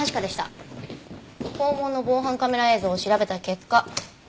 校門の防犯カメラ映像を調べた結果。